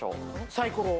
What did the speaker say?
サイコロ。